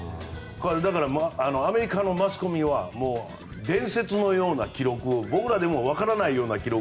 だからアメリカのマスコミは伝説のような記録を僕らでも分からないような記録